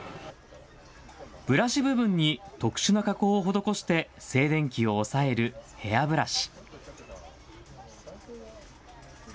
ブラシ部分に特殊な加工を施して静電気を抑えるヘアブラシ。